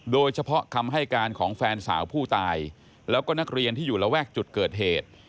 โดยเฉพาะคำให้การของแฟนสาวผู้ตายแล้วก็นักเรียนที่อยู่ระแวกจุดเกิดเหตุ